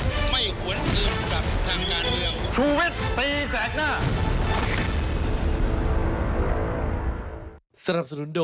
ผมไม่หวนอื่นกับทางงานเรียง